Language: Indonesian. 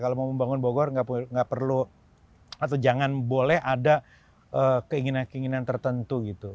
kalau mau membangun bogor nggak perlu atau jangan boleh ada keinginan keinginan tertentu gitu